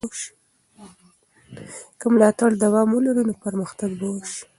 که ملاتړ دوام ولري نو پرمختګ به وسي.